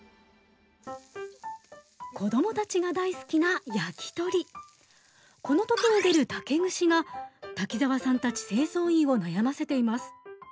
子供たちが大好きなこの時に出る竹串が滝沢さんたち清掃員を悩ませています。